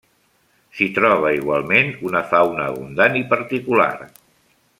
S'hi troba igualment una fauna abundant i particular.